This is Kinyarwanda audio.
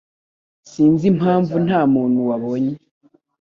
Sinzi impamvu ntamuntu wabonye